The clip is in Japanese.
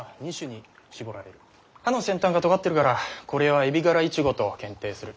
葉の先端がとがってるからこれはエビガライチゴと検定する。